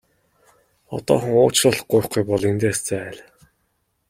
Одоохон уучлалт гуйхгүй бол эндээс зайл!